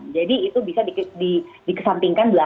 jadi itu bisa dikesampingkan belakang